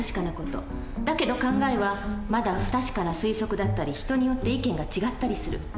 だけど考えはまだ不確かな推測だったり人によって意見が違ったりする。